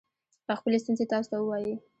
او خپلې ستونزې تاسو ته ووايي